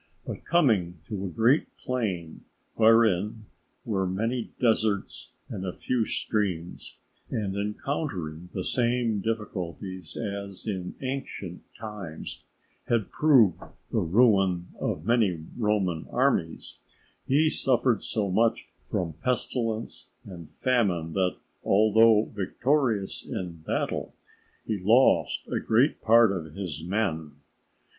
But coming to a great plain, wherein were many deserts and few streams, and encountering the same difficulties as in ancient times had proved the ruin of many Roman armies, he suffered so much from pestilence and famine, that, although victorious in battle, he lost a great part of his men.